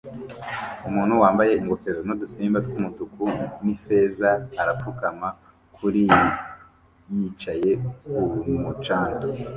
Umuntu wambaye ingofero nudusimba twumutuku nifeza arapfukama kuri yicaye kumu canga